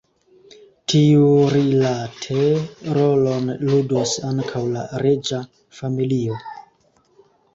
Tiurilate rolon ludos ankaŭ la reĝa familio.